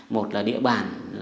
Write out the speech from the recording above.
một là địa bàn